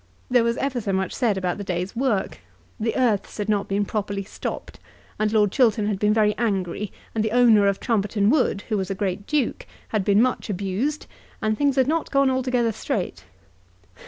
There was ever so much said about the day's work. The earths had not been properly stopped, and Lord Chiltern had been very angry, and the owner of Trumpeton Wood, who was a great duke, had been much abused, and things had not gone altogether straight.